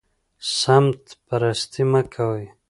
سمت پرستي مه کوئ